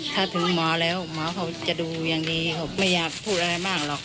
ถ้าถึงหมอแล้วหมอเขาจะดูอย่างดีเขาไม่อยากพูดอะไรมากหรอก